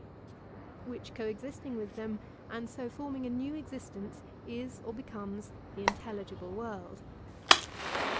which co existing with them and so forming a new existence, is or becomes the intelligible world...